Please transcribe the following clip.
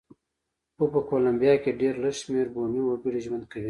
خو په کولمبیا کې ډېر لږ شمېر بومي وګړي ژوند کوي.